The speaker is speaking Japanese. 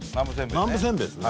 南部せんべいですね